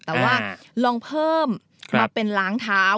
แต่ว่าลองเพิ่มมาเป็นล้างเท้า